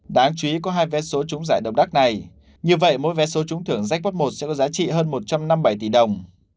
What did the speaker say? đáng chú ý có hai vé số trúng giải đồng đắc này như vậy mỗi vé số trúng thưởng jackpot một sẽ có giá trị hơn một trăm năm mươi bảy tỷ đồng